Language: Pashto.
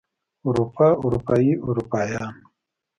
اروپا اروپايي اروپايان